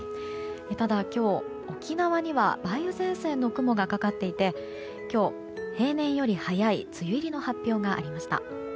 ただ今日、沖縄には梅雨前線の雲がかかっていて今日、平年より早い梅雨入りの発表がありました。